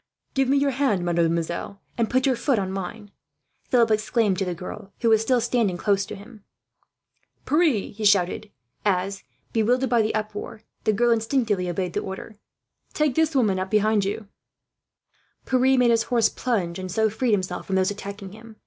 "Give me your hand, mademoiselle, and put your foot on mine," Philip exclaimed to the girl, who was still standing close to him. "Pierre," he shouted as, bewildered by the uproar, the girl instinctively obeyed the order, "take this woman up behind you." Pierre made his horse plunge, and so freed himself from those attacking him.